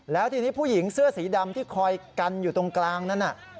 แล้วทีนี้ผู้หญิงเสื้อสีดำที่คอยกันอยู่ตรงกลางนั้น